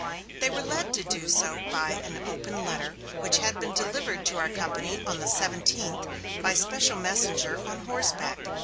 They were led to do so by "An Open Letter," which had been delivered to our company on the seventeenth by special messenger on horseback.